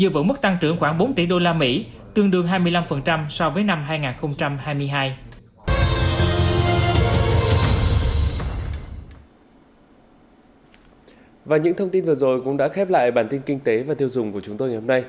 giữ vững mức tăng trưởng khoảng bốn tỷ usd tương đương hai mươi năm so với năm hai nghìn hai mươi hai